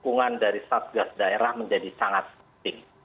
dukungan dari satgas daerah menjadi sangat penting